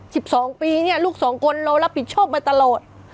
สิบสองปีเนี่ยลูกสองคนเรารับผิดชอบมาตลอด